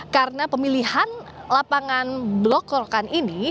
karena pemilihan lapangan blok rokan ini